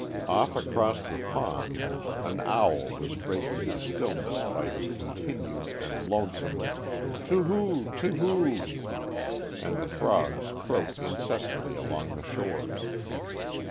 Off across the pond an owl was breaking the stillness by his continued and lone some "to whoo, to whoo," and the frogs croaked incessantly along the shores.